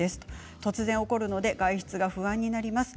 突然起こるので外出が不安になります。